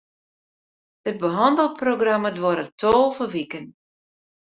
It behannelprogramma duorret tolve wiken.